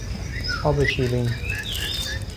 آب شیرین